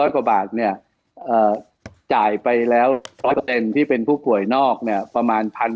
๒๕๐๐กว่าบาทเนี่ยจ่ายไปแล้วเป็นผู้ป่วยนอกประมาณ๑๒๐๐บาท